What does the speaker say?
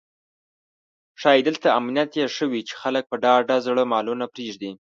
ښایي دلته امنیت یې ښه وي چې خلک په ډاډه زړه مالونه پرېږدي.